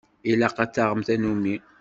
Ilaq ad taɣem tanumi.